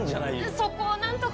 そこを何とか。